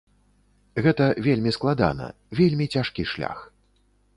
Гэта вельмі складана, вельмі цяжкі шлях.